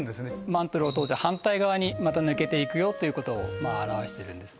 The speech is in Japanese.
マントルを通って反対側にまた抜けていくよっていうことを表してるんです